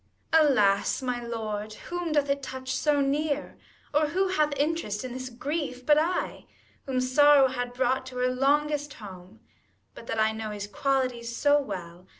Gon. Alas, my lord, whom doth it touch so near, Or who hath interest in this grief, but I, Whom sorrow had brought to her longest home, 10 But that I know his qualities so well